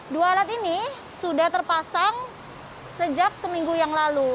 dua alat ini sudah terpasang sejak seminggu yang lalu